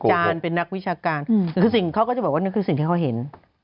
เป็นนักวิชาการคือสิ่งเขาก็จะบอกว่านั่นคือสิ่งที่เขาเห็น